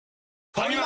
ファミマ！